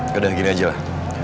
gak ada gini aja lah